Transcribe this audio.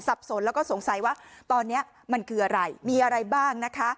สนแล้วก็สงสัยว่าตอนนี้มันคืออะไรมีอะไรบ้างนะคะ